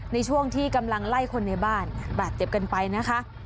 ในช่วงที่กำลังไล่คนในบ้านบาดเจ็บกันไปนะคะ